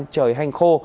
năm mươi trời hanh khô